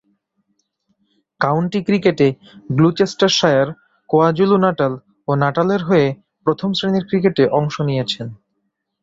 County ক্রিকেটে Gloucestershire, KwaZulu Natal ও নাটালের হয়ে প্রথম-শ্রেণীর ক্রিকেটে অংশ নিয়েছেন।